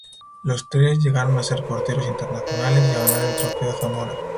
Los tres llegaron a ser porteros internacionales y a ganar el Trofeo Zamora.